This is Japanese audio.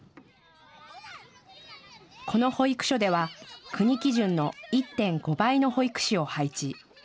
この保育所では国基準の１．５倍の保育士を配置。